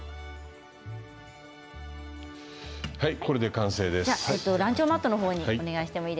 これで完成です。